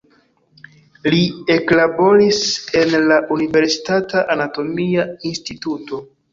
Li eklaboris en la universitata anatomia instituto.